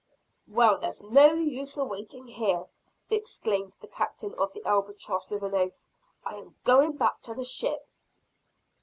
"Well, there is no use awaiting here," exclaimed the Captain of the "Albatross" with an oath; "I am going back to the ship."